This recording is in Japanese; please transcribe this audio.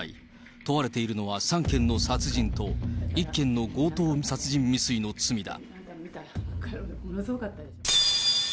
問われているのは３件の殺人と１件の強盗殺人未遂の罪だ。